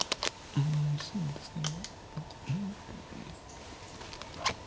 ああそうですね。